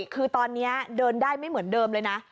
คือตอนนี้เดินได้ไม่เหมือนเดิมเลยนะ